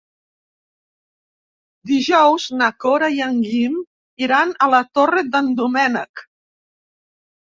Dijous na Cora i en Guim iran a la Torre d'en Doménec.